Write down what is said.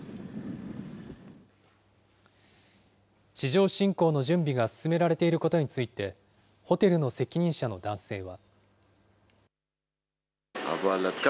地上侵攻の準備が進められていることについて、ホテルの責任者の男性は。